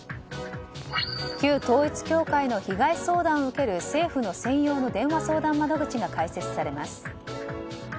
旧統一教会の被害相談を受ける政府の専用の電話相談窓口が開設されます。